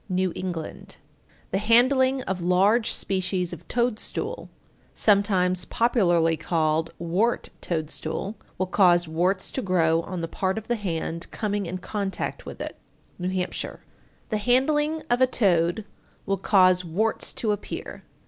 New England. 881. The handling of large species of toadstool, sometimes popularly called "wart toadstool," will cause warts to grow on the part of the hand coming in contact with it. New Hampshire. 882. The handling of a toad will cause warts to appear.